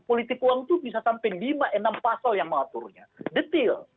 politik uang itu bisa sampai lima enam pasal yang mengaturnya detail